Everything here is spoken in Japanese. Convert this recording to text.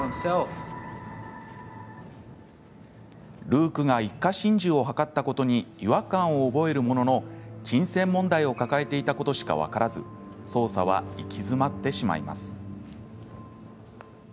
ルークが一家心中を図ったことに違和感を覚えるものの金銭問題を抱えていたことしか分からず捜査は行き詰まってしまいます。